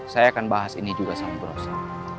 saya akan bahas ini juga sama brosa